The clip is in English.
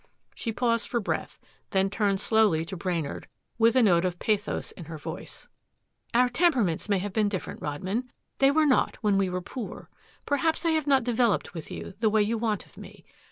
She paused for breath, then turned slowly to Brainard with a note of pathos in her voice. "Our temperaments may have been different, Rodman. They were not when we were poor. Perhaps I have not developed with you, the way you want of me.